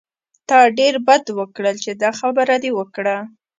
تا ډېر بد وکړل چې دا خبره دې وکړه.